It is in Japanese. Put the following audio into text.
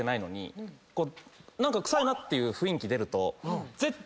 何か臭いなっていう雰囲気出ると絶対。